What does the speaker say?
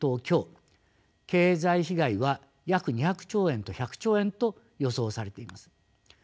経済被害は約２００兆円と１００兆円と予想されています。